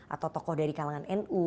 atau tokoh dari kalangan nu